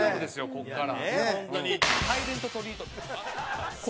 ここから。